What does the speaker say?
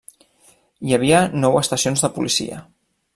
Hi havia nou estacions de policia.